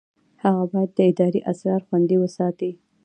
هغه باید د ادارې اسرار خوندي وساتي.